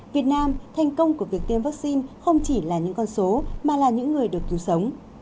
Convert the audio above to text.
việt nam thành công của việc tiêm vaccine không chỉ là những con số mà là những người được cứu sống